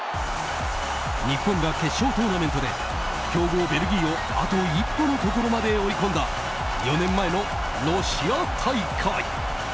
日本が、決勝トーナメントで強豪ベルギーをあと一歩のところまで追い込んだ４年前のロシア大会。